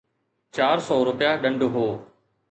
چار سؤ رپيا ڏنڊ هو.